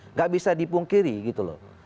nggak bisa dipungkiri gitu loh